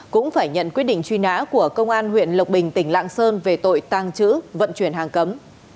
cũng phải nhận quyết định truy nã của công an huyện lộc bình tỉnh lạng sơn về tội tàng trữ vận chuyển hàng cấm